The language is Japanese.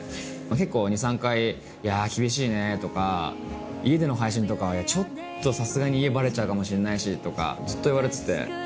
結構２３回「いや厳しいね」とか家での配信とかちょっとさすがに家バレちゃうかもしれないしとかずっと言われてて。